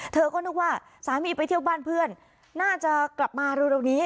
เธอก็นึกว่าสามีไปเที่ยวบ้านเพื่อนน่าจะกลับมาเร็วนี้